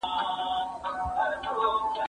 زه هره ورځ سبزېجات خورم!؟